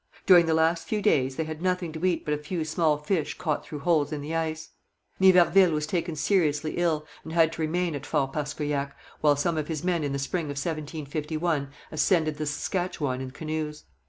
During the last few days they had nothing to eat but a few small fish caught through holes in the ice. Niverville was taken seriously ill, and had to remain at Fort Paskoyac, while some of his men in the spring of 1751 ascended the Saskatchewan in canoes.